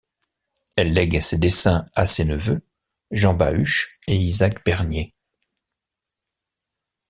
Elle lègue ses dessins à ses neveux, Jean Bahuche et Isaac Bernier.